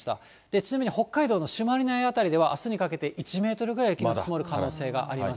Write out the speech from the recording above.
ちなみに北海道の朱鞠内辺りでは、あすにかけて、１メートルぐらい、雪が積もる可能性があります。